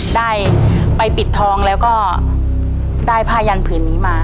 ได้ไปปิดทองแล้วก็ได้ผ้ายันผืนนี้มา